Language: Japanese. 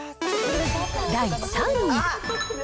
第３位。